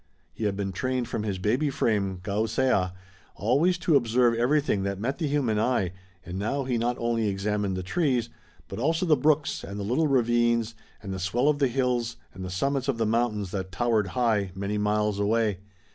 He had been trained from his baby frame, gaoseha, always to observe everything that met the human eye, and now he not only examined the trees, but also the brooks and the little ravines and the swell of the hills and the summits of the mountains that towered high, many miles away.